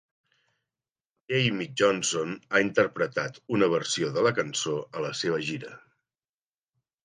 Jamey Johnson ha interpretat una versió de la cançó a la seva gira.